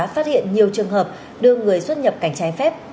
phát hiện nhiều trường hợp đưa người xuất nhập cảnh trái phép